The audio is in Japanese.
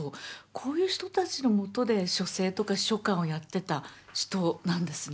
こういう人たちのもとで書生とか秘書官をやってた人なんですね。